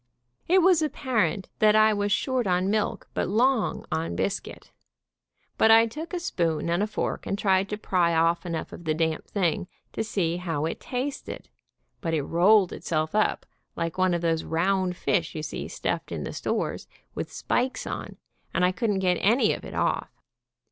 It was ap parent that I was short on milk but long on biscuit, but I took a spoon and a fork and tried to pry off enough of the damp thing to see how it tasted, but it rolled itself up like one of those round fish you see stuffed in the stores, with spikes on, and I couldn't get any of it off.